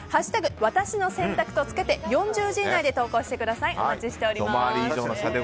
ワタシの選択」とつけて４０字以内で投稿してください。